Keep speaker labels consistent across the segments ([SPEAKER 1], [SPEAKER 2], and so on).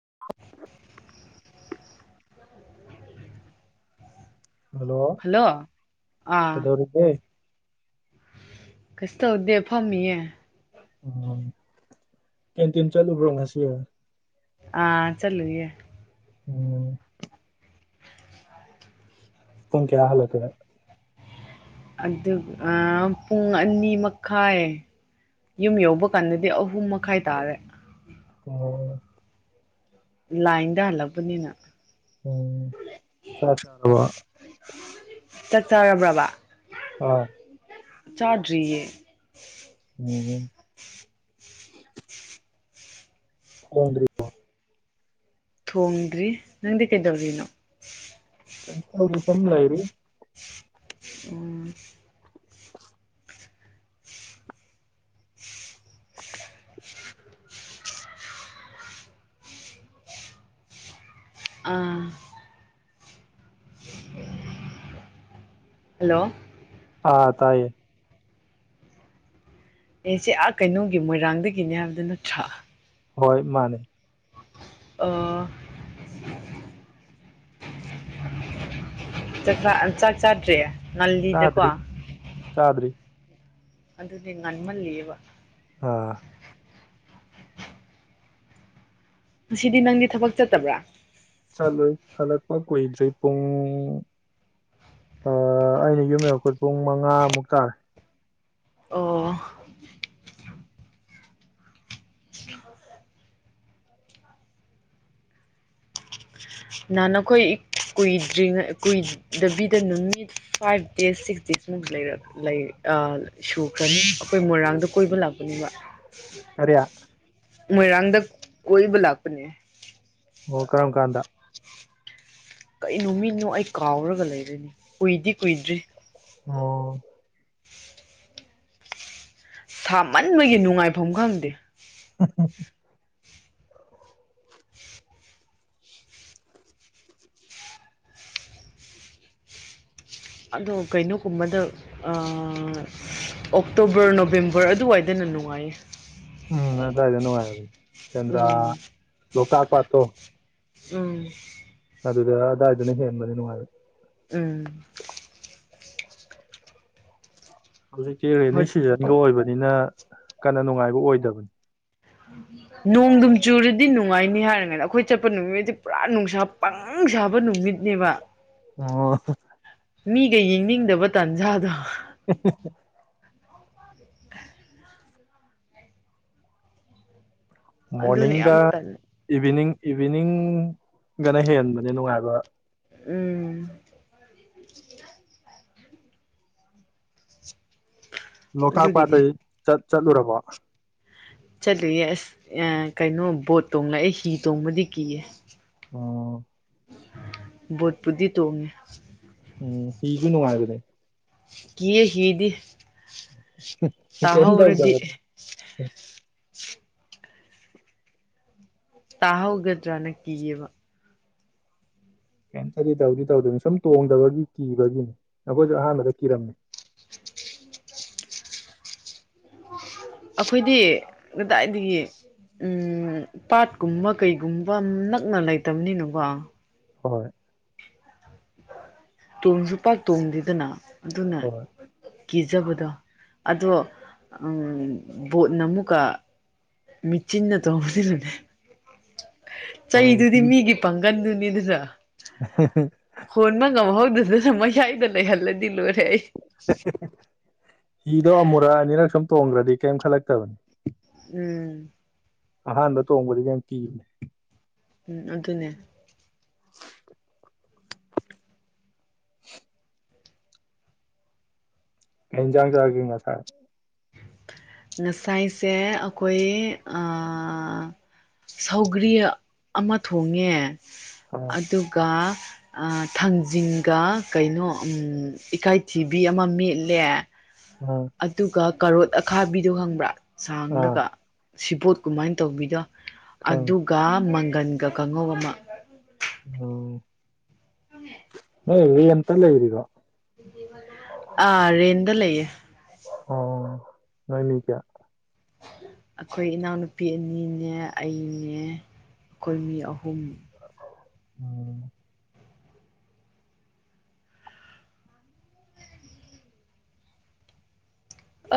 [SPEAKER 1] [unintelligible] hello
[SPEAKER 2] hello ꯑꯥ
[SPEAKER 1] ꯀꯩꯗꯧꯔꯤꯚ
[SPEAKER 2] ꯀꯁ ꯇꯧꯗꯦ ꯐꯝꯃꯤꯌꯦꯦ
[SPEAKER 1] ꯎ ꯀꯦꯟꯇꯤꯟ ꯆꯂꯨꯕ꯭ꯔꯣ ꯉꯁꯤ
[SPEAKER 2] ꯑꯥ ꯆꯂꯨꯔꯤꯌꯦ
[SPEAKER 1] ꯎꯝ ꯍꯝ ꯀꯌꯥ ꯍꯂꯠꯇ
[SPEAKER 2] ꯑꯗꯨꯒ ꯄꯨꯡ ꯑꯅꯤ ꯃꯈꯥꯏ ꯌꯨꯝ ꯌꯧꯕ ꯀꯥꯟꯗꯗꯤ ꯑꯍꯨꯝ ꯃꯈꯥꯏ ꯇꯥꯔꯦ
[SPEAKER 1] ꯑꯣ
[SPEAKER 2] ꯂꯥꯏꯟꯗ ꯍꯜꯂꯕꯅꯤꯅ
[SPEAKER 1] ꯎꯝ ꯆꯥ ꯆꯥꯔ ꯋꯥ
[SPEAKER 2] ꯆꯥꯛ ꯆꯔꯕ꯭ꯔꯕ ꯆꯥꯠꯔꯤꯌꯦ
[SPEAKER 1] ꯎꯝ [unintelligible] ꯍ
[SPEAKER 2] ꯊꯣꯡꯗ꯭ꯔꯤ ꯅꯪꯗꯤ ꯀꯩꯗꯧꯔꯤꯅꯣ
[SPEAKER 1] ꯀꯩꯅ ꯁꯝꯗꯏꯔꯤ
[SPEAKER 2] ꯑꯣ ꯑꯥ ꯍꯜꯂꯣ
[SPEAKER 1] ꯑꯥ ꯇꯥꯏꯌꯦ
[SPEAKER 2] ꯑꯩꯁꯦ ꯑ ꯀꯩꯅꯣꯝꯇ ꯃꯣꯏꯔꯥꯡꯗꯒꯤꯅꯦ ꯍꯥꯏꯕꯗꯣ ꯅꯠꯇꯔꯣ
[SPEAKER 1] ꯍꯣꯏ ꯃꯥꯅꯦ
[SPEAKER 2] ꯑ ꯆ ꯆꯥꯛ ꯆꯥꯠ꯭ꯔ ꯅꯜꯗꯤꯗꯀ
[SPEAKER 1] ꯆꯗ꯭ꯔꯤ
[SPEAKER 2] ꯑꯗꯨꯗꯤ ꯉꯟꯃꯜꯜꯂꯤꯕ
[SPEAKER 1] ꯑꯥ
[SPEAKER 2] ꯑꯁꯤꯗꯤ ꯅꯪꯗꯤ ꯊꯕꯛ ꯆꯠꯇꯕ꯭ꯔꯥ
[SPEAKER 1] ꯆꯠꯂꯣꯏ ꯍꯜꯂꯛꯄ ꯀꯨꯏꯗ꯭ꯔꯤ ꯄꯨꯡ ꯑꯩꯅ ꯌꯨꯝ ꯌꯔꯛꯄꯣꯏ ꯄꯨꯡ ꯃꯉꯥꯃꯨꯛ ꯇꯥꯔꯦ
[SPEAKER 2] ꯑꯣ ꯅꯍꯥꯟꯈꯣꯏ ꯀꯨꯏꯗ꯭ꯔꯤꯉꯩ ꯀꯨꯏꯗꯕꯤꯗ ꯅꯨꯃꯤꯠ ꯐꯥꯏꯚ ꯗꯦꯖ ꯁꯤꯛꯁ ꯗꯦꯖꯃꯨꯛ ꯂꯩ ꯁꯨꯈ꯭ꯔꯅꯤ ꯑꯩꯈꯣꯏ ꯃꯣꯏꯔꯥꯡꯗ ꯀꯣꯏꯕ ꯂꯥꯛꯄꯅꯦꯕ
[SPEAKER 1] ꯑꯌꯥ
[SPEAKER 2] ꯃꯣꯏꯔꯥꯡꯗ ꯀꯣꯏ ꯕꯂꯄꯅꯦ
[SPEAKER 1] ꯑꯣ ꯀ꯭ꯔꯝ ꯀꯥꯟꯗ
[SPEAKER 2] ꯀꯩꯅꯣ ꯃꯤꯠꯅꯣ ꯑꯩ ꯀꯥꯎꯔꯒ ꯂꯩꯔꯣꯏꯅꯤ ꯀꯨꯏꯗꯤ ꯀꯨꯏꯗ꯭ꯔꯤ
[SPEAKER 1] ꯑꯣ
[SPEAKER 2] ꯁꯥꯃꯟꯕꯒꯤ ꯅꯨꯡꯉꯥꯏꯐꯝ ꯈꯪꯗꯦ
[SPEAKER 1] ꯎ
[SPEAKER 2] ꯑꯗꯣ ꯀꯩꯅꯣꯒꯨꯝꯕꯗ ꯑꯣꯛꯇꯣꯕꯔ ꯅꯣꯕꯦꯝꯕꯔ ꯑꯗꯨꯋꯥꯏꯗꯅ ꯅꯨꯡꯉꯥꯏꯌꯦ
[SPEAKER 1] ꯎ ꯇꯥꯏ ꯑꯗꯨꯅꯅꯨꯡꯉꯔ ꯆꯗ꯭ꯔꯥ
[SPEAKER 2] ꯎꯝ
[SPEAKER 1] ꯂ ꯀꯥꯛꯥꯛ ꯄꯠꯇꯣ
[SPEAKER 2] ꯎꯝ
[SPEAKER 1] ꯑꯗꯨꯒꯒ ꯑꯗꯨꯗꯥꯏꯗꯅ ꯍꯦꯟꯕꯅꯤꯅꯅꯨꯡ ꯃꯥ
[SPEAKER 2] ꯎꯝ
[SPEAKER 1] ꯍꯧꯖꯤꯛꯇꯤ ꯔꯦꯅꯤ
[SPEAKER 2] ꯍꯣꯏ
[SPEAKER 1] ꯁꯤꯖꯟꯒꯤ ꯑꯣꯏꯕꯅꯤꯅ ꯀꯟꯅ ꯅꯨꯡꯉꯥꯏꯕ ꯑꯣꯏꯗꯕꯅꯤ
[SPEAKER 2] ꯅꯣꯡꯗꯨꯝ ꯆꯨꯔꯗꯤ ꯅꯨꯡꯉꯥꯏꯅꯤ ꯍꯥꯏꯔꯒꯅ ꯑꯩꯈꯣꯏ ꯆꯠꯄ ꯅꯨꯃꯤꯠꯉꯩꯗꯤ ꯄꯨꯔꯥ ꯅꯨꯡꯁꯥ ꯄꯪ ꯁꯥꯕ ꯅꯨꯃꯤꯠꯅꯦꯕ
[SPEAKER 1] ꯑꯣ
[SPEAKER 2] ꯃꯤꯒ ꯌꯦꯡꯅꯤꯡꯗꯕ ꯇꯥꯟꯖꯥꯗꯣ ꯑꯗꯨꯅ
[SPEAKER 1] ꯃꯣꯅꯤꯡ
[SPEAKER 2] ꯌꯥꯝ ꯇꯜꯂꯦ
[SPEAKER 1] ꯏꯚꯅꯤꯡ ꯏꯚꯤꯅꯤꯡꯒꯅ ꯍꯦꯟꯕꯅꯦ ꯅꯨꯡꯉꯥꯏꯕ
[SPEAKER 2] ꯎꯝ
[SPEAKER 1] ꯂꯣꯛꯈꯥꯛ ꯄꯥꯠꯇ
[SPEAKER 2] ꯑꯗꯨꯒꯤꯅꯦ
[SPEAKER 1] ꯆꯠ ꯆꯠꯂꯨꯔꯕ
[SPEAKER 2] ꯆꯠꯂꯤꯨꯌꯦꯦ ꯑꯁ ꯀꯩꯅꯣ ꯕꯣꯠ ꯇꯣꯡꯂꯛꯑꯦ ꯍꯤ ꯇꯣꯡꯕꯗꯤ ꯀꯤꯌꯦ
[SPEAKER 1] ꯑꯣ
[SPEAKER 2] ꯕꯣꯠꯄꯨꯗꯤ ꯇꯣꯡꯉꯦ
[SPEAKER 1] ꯎꯝ ꯍꯤꯒꯤ ꯅꯨꯡꯉꯥꯏꯅꯦꯦ
[SPEAKER 2] ꯀ ꯍꯗꯤ
[SPEAKER 1] ꯀꯝ ꯊꯥꯎꯗ
[SPEAKER 2] ꯇꯥꯍꯧꯒꯗ꯭ꯔꯥꯅ ꯀꯤꯌꯦꯕ
[SPEAKER 1] ꯀꯩꯇꯗꯤ ꯇꯧꯗꯤ ꯇꯧꯗꯣꯏꯅꯤ ꯁꯨꯝ ꯇꯣꯡꯗꯕꯒꯤ ꯀꯤꯕꯒꯤꯅꯤ ꯅꯈꯣꯏꯁꯨ ꯑꯍꯥꯟꯕꯗ ꯀꯤꯔꯝꯃꯤ
[SPEAKER 2] ꯑꯩꯈꯣꯏꯗꯤ ꯀꯗꯥꯏꯗꯒꯤ ꯎ ꯄꯥꯠꯀꯨꯝꯕ ꯀꯩꯒꯨꯝꯕ ꯅꯛꯅ ꯂꯩꯇꯕꯅꯤꯅꯀꯣ
[SPEAKER 1] ꯍꯣꯏ
[SPEAKER 2] ꯇꯨꯡꯁꯨꯄꯥ ꯇꯣꯡꯗꯗꯅ ꯑꯗꯨꯅ
[SPEAKER 1] ꯍꯣꯏ
[SPEAKER 2] ꯀꯤꯖꯕꯗꯣ ꯑꯗꯣ ꯕꯣꯠꯅ ꯑꯃꯨꯛꯀ ꯃꯤꯠꯆꯤꯟꯅ ꯇꯣꯡꯧꯕꯗꯨꯅꯅꯦ ꯎ
[SPEAKER 1] ꯍꯣꯏ
[SPEAKER 2] ꯆꯩꯗꯨꯗꯤ
[SPEAKER 1] ꯍꯤ
[SPEAKER 2] ꯃꯤꯒꯤ ꯄꯥꯡꯒꯟꯗꯨꯅꯤ ꯖ ꯍꯣꯟꯕ ꯉꯝꯍꯧꯗꯗ ꯃꯣꯏ ꯁꯥꯏꯗ ꯂꯩ ꯍꯂꯗꯤꯂ ꯑꯣꯏ
[SPEAKER 1] [inaudible] ꯍꯤꯗꯣ ꯑꯃꯨꯔꯛꯑꯅꯤꯔꯛ ꯁꯨꯝ ꯇꯣꯡꯈ꯭ꯔꯗꯤ ꯀꯩꯝ ꯈꯜꯂꯛꯇꯕꯅꯤ
[SPEAKER 2] ꯎꯝ
[SPEAKER 1] ꯑꯍꯥꯟꯕ ꯇꯣꯡꯕꯗꯤ ꯌꯥꯝ ꯀꯤꯕꯅꯦ
[SPEAKER 2] ꯎꯝ ꯑꯗꯨꯅꯦ
[SPEAKER 1] [inaudible] ꯀꯩ ꯏꯟꯖꯥꯡ ꯆꯥꯒꯦ ꯉꯥꯁꯥꯏ
[SPEAKER 2] ꯉꯁꯥꯏꯁꯦ ꯑꯥꯈꯣꯏ ꯁꯧꯒ꯭ꯔꯤ ꯑꯃ ꯊꯣꯡꯉꯦ
[SPEAKER 1] ꯑꯥ
[SPEAKER 2] ꯑꯗꯨꯒ ꯑꯥ ꯊꯥꯡꯖꯤꯡꯒ ꯀꯩꯅꯣ ꯏꯀꯥꯏꯊꯤꯕꯤ ꯑꯃ ꯃꯦꯠꯂꯦ
[SPEAKER 1] ꯑꯥ
[SPEAKER 2] ꯑꯗꯨꯒ ꯀꯔꯣꯠ ꯑꯈꯥꯕꯤꯗꯣ ꯈꯪꯕ꯭ꯔꯥ
[SPEAKER 1] ꯑꯥ
[SPEAKER 2] ꯆꯥꯡꯂꯒ ꯁꯤ ꯄꯣꯠ ꯀꯨꯃꯥꯏꯅ ꯇꯧꯕꯤꯒ
[SPEAKER 1] ꯈꯪꯉꯦ
[SPEAKER 2] ꯑꯗꯨꯒ ꯇꯟꯒ ꯀꯥꯡꯍꯧ ꯑꯃ
[SPEAKER 1] ꯑꯣ
[SPEAKER 2] ꯍꯉ
[SPEAKER 1] ꯍꯦ ꯔꯦꯟꯠ ꯇꯥ ꯂꯩꯔꯤꯕꯣ
[SPEAKER 2] ꯑꯥ ꯔꯦꯟꯗ ꯂꯩꯌꯦꯦ
[SPEAKER 1] ꯑꯣ ꯅꯣꯏꯃꯤ ꯀꯌꯥ
[SPEAKER 2] ꯑꯈꯣꯏ ꯏꯅꯥꯎꯅꯨꯄꯤ ꯑꯅꯤꯅꯦ ꯑꯩꯅꯦ ꯑꯩꯈꯣꯏ ꯃꯤ ꯑꯍꯨꯝ
[SPEAKER 1] ꯎꯝ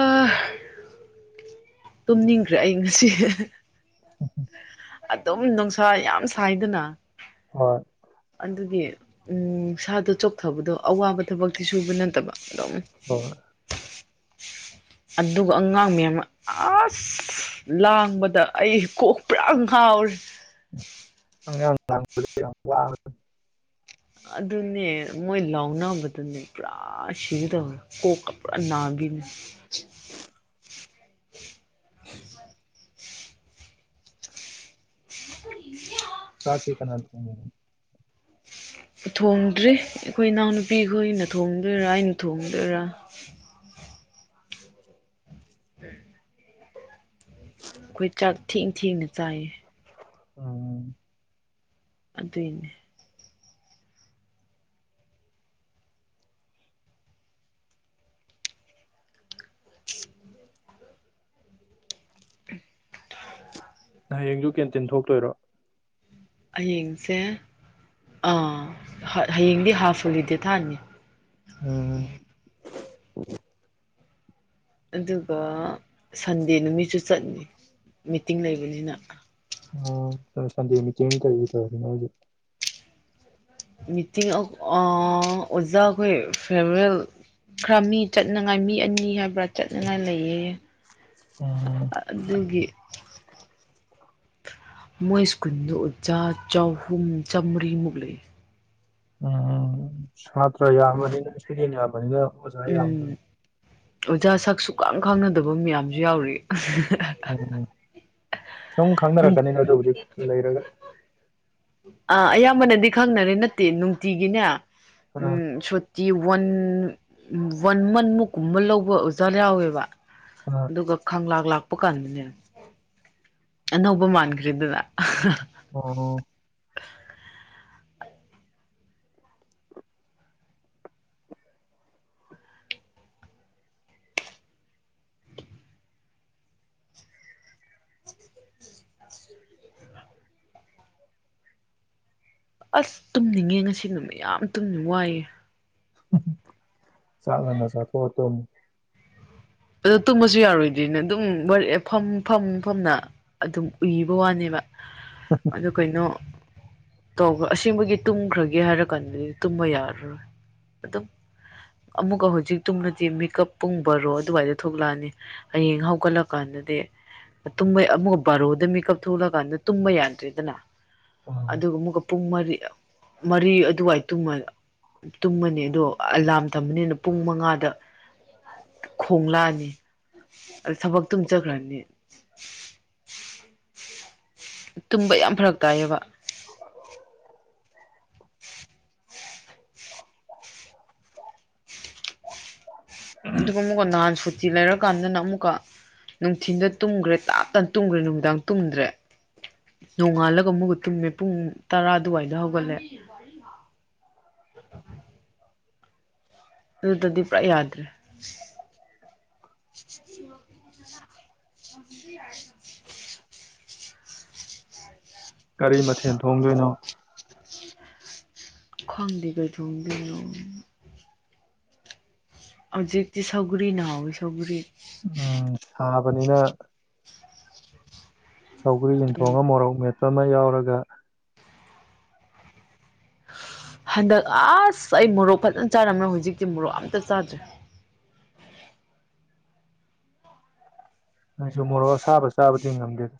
[SPEAKER 2] ꯑ ꯇꯨꯝꯅꯤꯡꯈ꯭ꯔꯦ ꯑꯩ ꯉꯁꯤ
[SPEAKER 1] ꯍꯝ
[SPEAKER 2] ꯑꯗꯨꯝ ꯅꯨꯡꯁꯥ ꯌꯥꯝ ꯁꯥꯏꯗꯅ
[SPEAKER 1] ꯍꯣꯏ
[SPEAKER 2] ꯑꯗꯨꯒꯤ ꯎ ꯁꯥꯗꯣ ꯆꯣꯛꯊꯕꯗꯣ ꯑꯋꯥꯕ ꯊꯕꯛꯇꯤ ꯁꯨꯕ ꯅꯠꯇꯕ ꯑꯗꯨꯝ
[SPEAKER 1] ꯍꯣꯏ
[SPEAKER 2] ꯑꯗꯨꯒ ꯑꯉꯥꯡ ꯃꯌꯥꯝ ꯑꯁ ꯂꯥꯡꯕꯗ ꯑꯩ ꯀꯣꯛ ꯄꯨꯔꯥ ꯉꯥꯎꯔꯦ
[SPEAKER 1] ꯑ
[SPEAKER 2] ꯑꯗꯨꯅꯦ ꯃꯣꯏ ꯂꯥꯎꯅꯕꯗꯅꯦ ꯄꯨꯔꯥ ꯁꯤꯒꯥꯗꯧꯋꯦ ꯀꯣꯛꯀ ꯄꯨꯔꯥ ꯅꯥꯈꯤꯅꯦ [inaudible] [inaudible]
[SPEAKER 1] ꯆꯥꯛ ꯇꯤ ꯀꯅꯥꯅ ꯊꯣꯡꯏ
[SPEAKER 2] ꯊꯣꯡꯗ꯭ꯔꯤ ꯑꯩꯈꯣꯏ ꯏꯅꯥꯎꯅꯨꯄꯤ ꯈꯣꯏꯅ ꯊꯣꯡꯗꯣꯏꯔꯥ ꯑꯩꯅ ꯊꯣꯡꯗꯣꯏꯔꯥ ꯎꯝ ꯑꯩꯈꯣꯏ ꯆꯥꯛ ꯊꯦꯡ ꯊꯦꯡꯅ ꯆꯥꯏꯌꯦ
[SPEAKER 1] ꯎꯝ
[SPEAKER 2] ꯑꯗꯨꯏꯅꯦ
[SPEAKER 1] ꯅꯌꯦꯡꯗꯨ ꯀꯦꯟꯇꯤꯟ ꯊꯣꯛꯇꯣꯏꯔꯣ
[SPEAKER 2] ꯍꯌꯦꯡꯁꯦ ꯑꯥ ꯍꯌꯦꯡꯗꯤ ꯍꯥꯐ ꯍꯣꯂꯤꯗꯦ ꯊꯥꯅꯤ
[SPEAKER 1] ꯎꯝ
[SPEAKER 2] ꯑꯗꯨꯒ ꯁꯟꯗꯦ ꯅꯨꯃꯤꯠꯁꯨ ꯆꯠꯅꯤ ꯃꯤꯇꯤꯡ ꯂꯩꯕꯅꯤꯅ
[SPEAKER 1] ꯑ ꯁꯟꯗ ꯃꯤꯇ ꯀꯔꯤ ꯇ ꯍꯧꯖ
[SPEAKER 2] ꯃꯤꯇꯤꯡ ꯑꯣꯖꯥꯈꯣꯏ ꯐꯦꯔꯋꯦꯜ ꯈꯔ ꯃꯤ ꯆꯠꯅꯉꯥꯏ ꯃꯤ ꯑꯅꯤ ꯍꯥꯏꯕ꯭ꯔꯥ ꯆꯠꯅꯉꯥꯏ ꯂꯩꯌꯦ
[SPEAKER 1] ꯎꯝ
[SPEAKER 2] ꯑꯗꯨꯗꯒꯤ ꯃꯣꯏ ꯁ꯭ꯀꯨꯟꯗꯨ ꯑꯣꯖꯥ ꯆꯍꯨꯝ ꯆꯥꯃꯔꯤꯃꯨꯛ ꯂꯩ
[SPEAKER 1] ꯎꯝ ꯃꯥ꯭ꯔ ꯌꯥꯅꯤ ꯁꯤ ꯌꯥꯅꯤ ꯍꯖꯏ ꯌꯥꯝꯗ
[SPEAKER 2] ꯎꯝ ꯑꯣꯖꯥ ꯁꯛꯁꯨꯨꯈ ꯈꯥꯡꯅꯗꯕ ꯃꯌꯥꯝꯁꯨ ꯌꯥꯎꯔꯤ
[SPEAKER 1] ꯎꯝ ꯁꯨꯝ ꯈꯪꯅꯔꯛꯀꯅꯤꯅ ꯑꯗꯨ ꯍꯧꯖꯤꯛ ꯂꯩꯔꯒ
[SPEAKER 2] ꯑꯥ ꯑꯌꯥꯝꯕꯅꯗꯤ ꯈꯪꯅꯔꯦ ꯅꯠꯇꯦ ꯅꯨꯡꯇꯤꯒꯤꯅꯦ ꯎꯝ ꯁꯇꯤ ꯋꯥꯟ ꯋꯥꯟ ꯃꯟ ꯃꯨꯛꯀꯨꯝꯕ ꯂꯧꯕ ꯑꯣꯖꯥ ꯌꯥꯎꯋꯦꯕ
[SPEAKER 1] ꯎꯝ
[SPEAKER 2] ꯑꯗꯨꯒ ꯈꯪꯂꯥ ꯂꯥꯛ ꯀꯅꯦꯅ ꯑꯅꯧꯕ ꯃꯥꯟꯈ꯭ꯔꯦꯗꯅꯥ
[SPEAKER 1] ꯑꯣ
[SPEAKER 2] ꯑꯁ ꯇꯨꯝꯅꯤꯡꯉꯦ ꯉꯁꯤ ꯅꯨꯃꯤꯠ ꯌꯥꯝ ꯇꯨꯝꯅ ꯋꯥꯏꯌꯦ
[SPEAKER 1] ꯆꯂꯅ ꯁꯥꯊꯣꯠꯇ
[SPEAKER 2] ꯑꯗꯣ ꯇꯨꯝꯃꯁꯨ ꯌꯥꯔꯣꯏꯗꯣꯏꯅ ꯑꯗꯨꯝ ꯐꯝ ꯐꯝ ꯐꯝꯅ ꯑꯗꯨꯝ ꯎꯏꯕ ꯋꯥꯅꯦꯕ ꯑꯗꯨ ꯀꯩꯅꯣ ꯇꯈ꯭ꯔ ꯑꯁꯦꯡꯕꯒꯤ ꯇꯨꯝꯈ꯭ꯔꯒꯦ ꯍꯥꯏꯔ ꯀꯥꯟꯗꯗꯤ ꯇꯨꯝꯕ ꯌꯥꯔꯔꯣꯏ ꯑꯗꯨꯝ ꯑꯃꯨꯛꯀ ꯍꯧꯖꯤꯛ ꯇꯨꯝꯅꯗꯤ ꯃꯤꯀꯞ ꯄꯨꯡꯕꯔꯣ ꯑꯗꯨꯋꯥꯏꯗ ꯊꯣꯛꯂꯛꯑꯅꯤ ꯍꯌꯦꯡ ꯍꯧꯒꯠꯂꯀꯥꯟꯗꯗꯤ ꯇꯨꯝꯕ ꯑꯃꯨꯒ ꯕꯥꯔꯣꯗ ꯃꯦꯀꯞ ꯊꯣꯛꯂꯀꯥꯟꯗ ꯇꯨꯝꯕ ꯌꯥꯗ꯭ꯔꯦꯗꯅ
[SPEAKER 1] ꯎꯝ
[SPEAKER 2] ꯑꯗꯨ ꯑꯃ ꯄꯨꯡ ꯃꯔꯤ ꯃꯔꯤ ꯑꯗꯨꯋꯥꯏꯃ ꯇꯨꯝꯃꯅꯤ ꯑꯗꯣ ꯑꯦꯂꯥꯝ ꯊꯝꯕꯅꯤꯅ ꯄꯨꯡ ꯃꯉꯥꯗ ꯈꯣꯡꯂꯛꯑꯅꯤ ꯑ ꯊꯕꯛ ꯇꯨꯝꯖꯈ꯭ꯔꯅꯤ ꯇꯨꯝꯕ ꯌꯥꯝ ꯐꯔꯛ ꯇꯥꯏꯌꯦꯕ
[SPEAKER 1] [unintelligible]
[SPEAKER 2] ꯑꯗꯨꯃ ꯀ ꯅꯥꯟ ꯁꯨ ꯁꯤ ꯂꯩꯔꯀꯥꯟꯗꯅ ꯑꯃꯨꯛꯀ ꯅꯨꯡꯊꯤꯟꯗ ꯇꯨꯝꯈ꯭ꯔꯦ ꯇꯥꯞ ꯇꯅ ꯇꯨꯝꯈ꯭ꯔꯦ ꯅꯨꯃꯤꯗꯥꯡ ꯇꯨꯝꯗ꯭ꯔꯦ ꯅꯣꯡꯉꯥꯜꯂꯒ ꯑꯃꯨꯛꯒ ꯇꯨꯝꯃꯦ ꯄꯨꯡ ꯇꯔꯥ ꯑꯗꯨꯋꯥꯏꯗ ꯍꯧꯒꯠꯂꯦ ꯑꯗꯨꯗꯨꯗꯗꯤ ꯄꯥ ꯌꯥꯗ꯭ꯔꯦ
[SPEAKER 1] ꯀꯔꯤ ꯃꯊꯦꯜ ꯊꯣꯡꯗꯣꯏꯅꯣ
[SPEAKER 2] ꯈꯪꯕꯤꯒ ꯊꯣꯡꯕꯤꯅ ꯑꯖꯤꯛꯇꯤ ꯁꯒꯔꯤꯅꯍꯧꯋ ꯁꯒꯔꯤ
[SPEAKER 1] ꯎꯝ ꯁꯥꯕꯅꯤꯅ ꯁꯧꯒ꯭ꯔꯤ
[SPEAKER 2] ꯎꯝ
[SPEAKER 1] ꯌꯦꯟꯊꯣꯡꯉ ꯃꯣꯔꯛ ꯃꯦꯠ ꯆ ꯃ ꯌꯥꯎꯔꯒ
[SPEAKER 2] ꯍꯟꯗꯛ ꯑꯁ ꯑꯩ ꯃꯣꯔꯣꯛ ꯐꯖꯅ ꯆꯥꯔꯝ꯭ꯔ ꯍꯧꯖꯤꯛꯇꯤ ꯃꯣꯔꯣꯛ ꯑꯝꯇ ꯆꯥꯗ꯭ꯔꯦ
[SPEAKER 1] ꯑꯩꯁꯨ ꯃꯣꯔꯣꯛ ꯑꯁꯥꯕ ꯆꯥꯕꯗꯤ ꯉꯝꯗꯦꯗ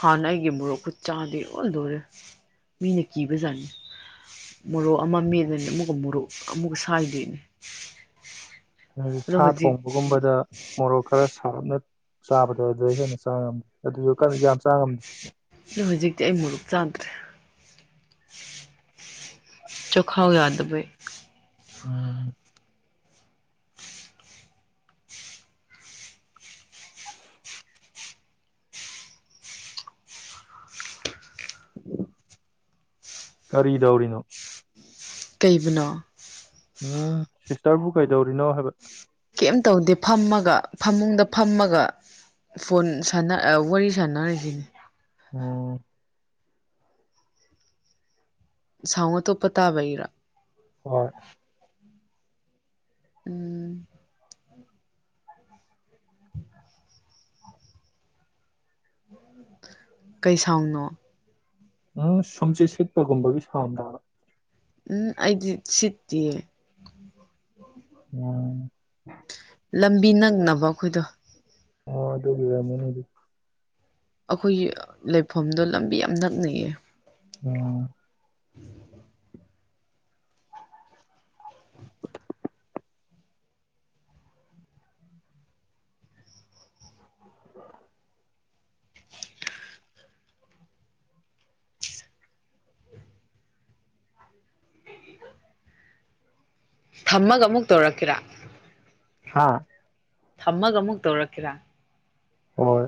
[SPEAKER 2] ꯍꯥꯟꯅ ꯑꯩꯒꯤ ꯃꯣꯔꯣꯛꯀ ꯆꯥꯗꯦ ꯑꯣꯟꯗꯣꯔꯦ ꯃꯤꯅ ꯀꯤꯕꯖꯥꯠꯅꯤ ꯃꯣꯔꯣꯛ ꯑꯃ ꯃꯦꯗꯅꯤ ꯑꯃꯨꯛꯀ ꯃꯣꯔꯣꯛ ꯑꯃꯨꯛꯀ ꯁꯥꯏꯗꯣꯏꯅꯤ ꯑꯗꯣ
[SPEAKER 1] ꯁꯥ
[SPEAKER 2] ꯍꯧꯖꯤꯛ
[SPEAKER 1] ꯊꯣꯡꯕꯒꯨꯝꯕꯗ ꯃꯣꯔꯣꯛ ꯈꯔ ꯁꯥꯞꯅ ꯆꯥꯕꯗ ꯑꯗꯨ ꯍꯦꯟꯅ ꯆꯥꯝꯦ ꯑꯗꯨꯁꯨ ꯌꯥꯝ ꯆꯥ ꯉꯝꯗꯦ
[SPEAKER 2] ꯅ ꯍꯧꯖꯤꯛꯇꯤ ꯑꯩ ꯃꯣꯔꯨꯞ ꯆꯥꯗ꯭ꯔꯦ ꯆꯣꯈꯥ ꯌꯥꯗꯕꯩ
[SPEAKER 1] ꯎꯝ [inaudible] ꯀꯔꯤꯗꯧꯔꯤꯅꯣ
[SPEAKER 2] ꯀꯩꯕꯅ
[SPEAKER 1] ꯎꯝ ꯁꯤꯁꯇꯔꯕꯨ ꯀꯩꯗꯧꯔꯤꯅꯣ ꯍꯥꯏꯕ
[SPEAKER 2] ꯀꯩꯝ ꯇꯧꯗꯦ ꯐꯝꯃꯒ ꯐꯃꯨꯡꯗ ꯐꯝꯃꯒ ꯐꯣꯟ ꯁꯥꯟꯅ ꯋꯥꯔꯤ ꯁꯥꯟꯅꯔꯤꯁꯤꯅꯤ
[SPEAKER 1] ꯑꯣ
[SPEAKER 2] ꯁꯉ ꯇꯣꯞꯄ ꯇꯥꯕꯩꯔꯥ
[SPEAKER 1] ꯍ
[SPEAKER 2] ꯎꯝ ꯀꯩ ꯁꯥꯎꯅꯣ
[SPEAKER 1] ꯎꯝ ꯁꯣꯝꯆꯦ ꯁꯦꯠꯄꯒꯨꯝꯕꯒꯤ ꯁꯥꯎꯗ
[SPEAKER 2] ꯎꯝ ꯑꯩꯗ ꯁꯤꯠꯇꯤꯌꯦ
[SPEAKER 1] ꯎꯝ
[SPEAKER 2] ꯂꯝꯕꯤ ꯅꯛꯅꯕ ꯑꯩꯈꯣꯏꯗꯣ
[SPEAKER 1] ꯑꯣ ꯑꯗꯨ ꯃꯅꯤ
[SPEAKER 2] ꯑꯩꯈꯣꯏꯒꯤ ꯂꯩꯐꯝꯗꯣ ꯂꯝꯕꯤ ꯌꯥꯝ ꯅꯛꯅꯩꯌꯦ
[SPEAKER 1] ꯎꯝ [inaudible]
[SPEAKER 2] ꯊꯝꯃꯒ ꯑꯃꯨꯛ ꯇꯧꯔꯛꯀꯦꯔꯥ
[SPEAKER 1] ꯍꯥꯥ
[SPEAKER 2] ꯊꯝꯃꯒ ꯑꯃꯨꯛ ꯇꯧꯔꯛꯀꯦꯔꯥ
[SPEAKER 1] ꯍꯣꯏ